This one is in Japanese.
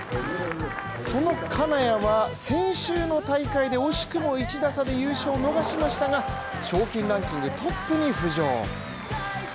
その金谷は先週の大会で惜しくも１打差で優勝を逃しましたが、賞金ランキングトップに浮上。